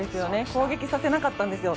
攻撃させなかったんですよ。